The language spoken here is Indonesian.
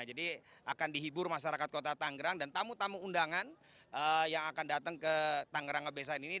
jadi akan dihibur masyarakat kota tangerang dan tamu tamu undangan yang akan datang ke tangerang ngebesan ini